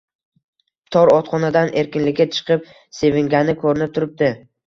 Tor otxonadan erkinlikka chiqib sevingani ko`rinib turibdi